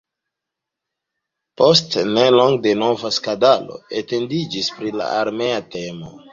Post nelonge denova skandalo etendiĝis pri armea temo.